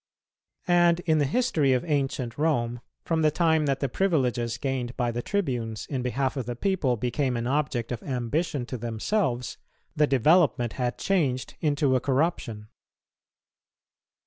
And in the history of ancient Rome, from the time that the privileges gained by the tribunes in behalf of the people became an object of ambition to themselves, the development had changed into a corruption.